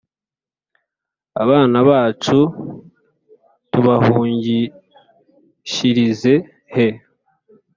“Abana bacu tubahungishirize he?